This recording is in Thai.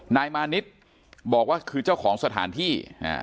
นายมานิดบอกว่าคือเจ้าของสถานที่